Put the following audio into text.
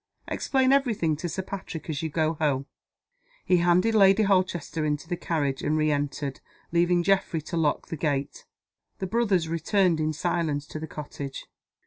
Explain every thing to Sir Patrick as you go home." He handed Lady Holchester into the carriage; and re entered, leaving Geoffrey to lock the gate. The brothers returned in silence to the cottage.